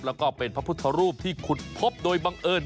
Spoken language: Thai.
แล้วก็เป็นพระพุทธรูปที่ขุดพบโดยบังเอิญ